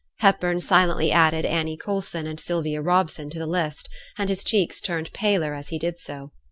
Hepburn silently added Annie Coulson and Sylvia Robson to this list, and his cheeks turned paler as he did so.